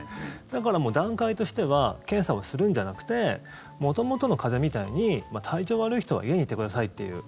だから、段階としては検査をするんじゃなくて元々の風邪みたいに体調悪い人は家にいてくださいっていう。